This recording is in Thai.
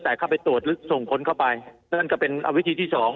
แต่เข้าไปตรวจหรือส่งคนเข้าไปนั่นก็เป็นวิธีที่สอง